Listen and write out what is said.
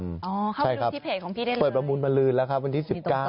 เข้าไปดูที่เพจของพี่ได้ไหมเปิดประมูลมาลืนแล้วครับวันที่สิบเก้า